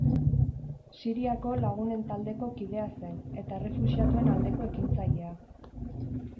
Siriako Lagunen taldeko kidea zen, eta errefuxiatuen aldeko ekintzailea.